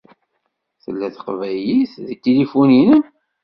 Tella teqbaylit deg tilifu-inem?